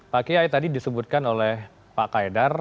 pak kiai tadi disebutkan oleh pak kaedar